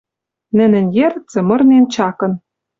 Нӹнӹн йӹр цымырнен чакын